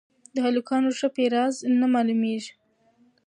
د هلکانو ښه پېزار نه مېلاوېږي